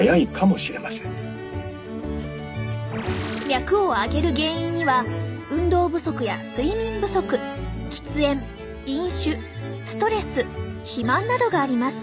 脈を上げる原因には運動不足や睡眠不足喫煙飲酒ストレス肥満などがあります。